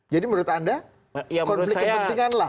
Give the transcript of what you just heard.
jadi menurut anda konflik kepentingan lah